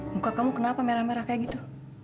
muka kamu kenapa merah merah kayak gitu